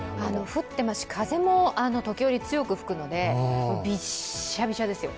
降ってますし、風も時折強く吹くので、びっしゃびしゃですよ。